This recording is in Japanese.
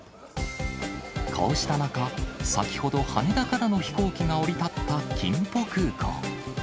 こうした中、先ほど羽田からの飛行機が降り立ったキンポ空港。